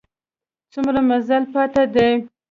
څومره مزل پاته دی؟